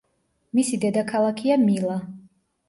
მისი დედაქალაქია მილა.